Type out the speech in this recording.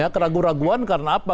keraguan raguan karena apa